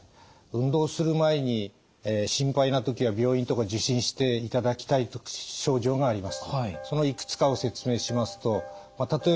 運動する前に心配な時は病院とか受診していただきたい症状があります。